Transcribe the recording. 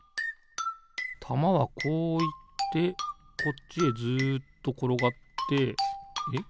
たまはこういってこっちへずっところがってえっ